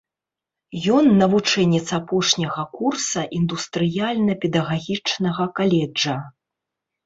Ён навучэнец апошняга курса індустрыяльна-педагагічнага каледжа.